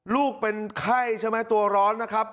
ลูกเป็นไข้ใช่ไหมตัวร้อนนะครับ